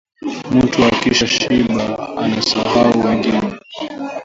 Mutu akisha shiba anasahau wengine